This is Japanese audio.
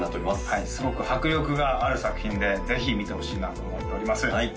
はいすごく迫力がある作品でぜひ見てほしいなと思っております